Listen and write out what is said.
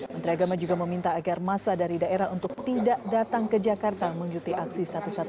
menteri agama juga meminta agar masa dari daerah untuk tidak datang ke jakarta mengikuti aksi satu ratus dua belas